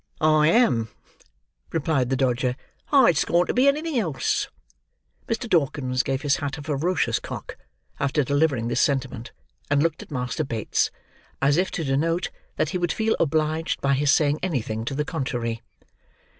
"I am," replied the Dodger. "I'd scorn to be anything else." Mr. Dawkins gave his hat a ferocious cock, after delivering this sentiment, and looked at Master Bates, as if to denote that he would feel obliged by his saying anything to the contrary.